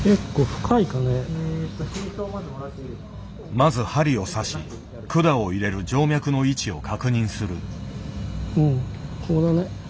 まず針を刺し管を入れる静脈の位置を確認する。